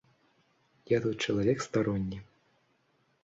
Я тут чалавек старонні.